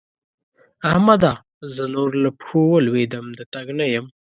احمده! زه نور له پښو ولوېدم - د تګ نه یم.